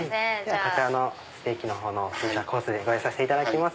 こちらのステーキの付いたコースご用意させていただきます。